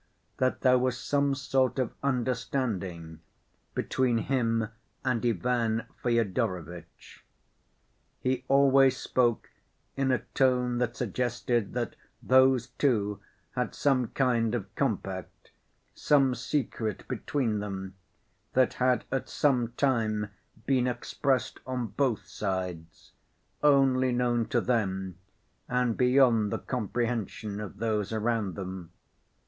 —that there was some sort of understanding between him and Ivan Fyodorovitch. He always spoke in a tone that suggested that those two had some kind of compact, some secret between them, that had at some time been expressed on both sides, only known to them and beyond the comprehension of those around them.